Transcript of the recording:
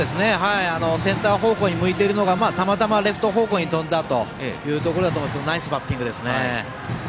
センター方向に向いているのがたまたまレフト方向に飛んだというところだと思いますがナイスバッティングですね。